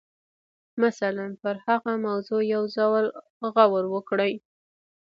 مثلاً پر هغه موضوع یو ځل غور وکړئ